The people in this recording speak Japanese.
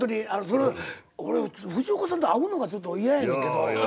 俺藤岡さんと合うのがちょっと嫌やねんけど。